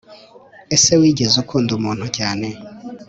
Ese wigeze ukundu umuntu cyane